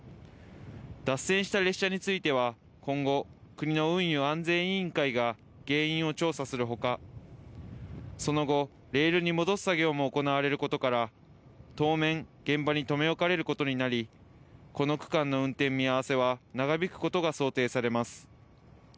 脱線した列車については、今後、国の運輸安全委員会が原因を調査するほか、その後、レールに戻す作業も行われることから、当面、現場に留め置かれることになり、この区間の運転見合わせは長引くことが想定されます。